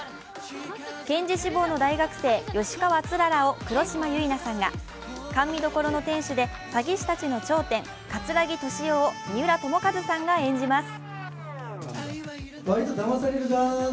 検事志望の大学生、吉川氷柱を黒島結菜さんが黒島結菜さんが、甘味処の店主で詐欺師たちの頂点、桂木敏夫を三浦友和さんが演じます。